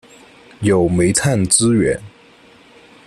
有煤炭资源。